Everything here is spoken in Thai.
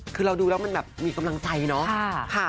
คือเราดูแล้วมันแบบมีกำลังใจเนาะ